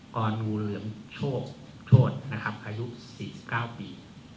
กรงูเหลืองโชดอายุ๔๙ปี